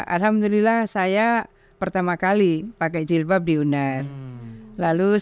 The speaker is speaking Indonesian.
alhamdulillah saya pertama kali pakai jilbab di uner